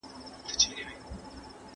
¬ يوار ئې زده که، بيا ئې در کوزده که.